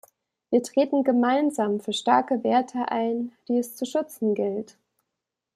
Wir treten gemeinsam für starke Werte ein, die es zu schützen gilt.